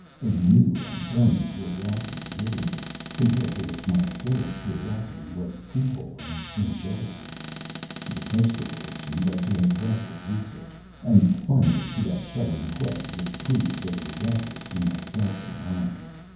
A new and burning curiosity grew in me, compared to which my boyish curiosity was feeble and inchoate. The first revelation led to an exhaustive research, and finally to that shuddering quest which proved so disastrous to myself and mine.